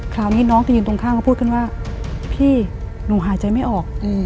คราวนี้น้องที่ยืนตรงข้างก็พูดขึ้นว่าพี่หนูหายใจไม่ออก